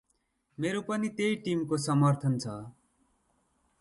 मेरो पनि त्यहि टिम को समर्थन छ ।